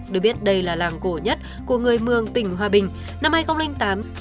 được biết đây là làng cổ nhất của người mường tỉnh hòa bình